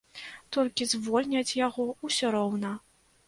Толькі звольняць яго ўсё роўна.